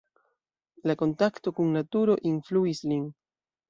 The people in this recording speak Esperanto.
La kontakto kun naturo influis lin.